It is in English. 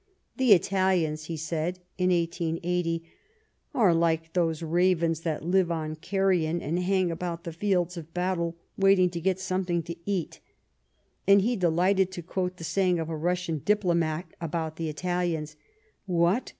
"The Italians," he said in 1880, " are like those ravens that live on carrion and hang about the fields of battle waiting to get something to eat "; and he delighted to quote the saying of a Russian Diplomat about the Italians :" W^lat